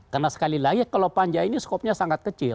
karena sekali lagi kalau panja ini skopnya sangat kecil